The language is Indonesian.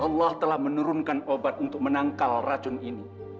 allah telah menurunkan obat untuk menangkal racun ini